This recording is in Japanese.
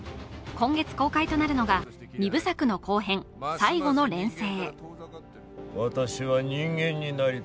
今月公開となるのが２部作の後編、「最後の錬成」へ。